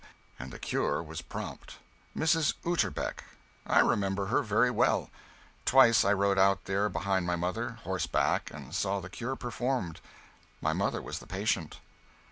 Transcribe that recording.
and the cure was prompt. Mrs. Utterback. I remember her very well. Twice I rode out there behind my mother, horseback, and saw the cure performed. My mother was the patient.